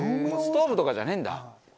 ストーブとかじゃねえんだ。